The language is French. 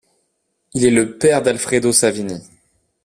Il est le père d'Alfredo Savini.